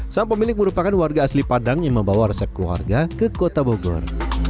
sang pemilik merupakan warga asli padang yang membawa resep keluarga ke kota bogor